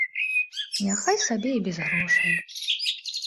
Няхай сабе і без грошай.